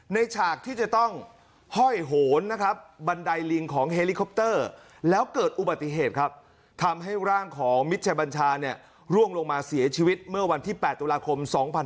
ฉากที่จะต้องห้อยโหนนะครับบันไดลิงของเฮลิคอปเตอร์แล้วเกิดอุบัติเหตุครับทำให้ร่างของมิตรชัยบัญชาเนี่ยร่วงลงมาเสียชีวิตเมื่อวันที่๘ตุลาคม๒๕๖๒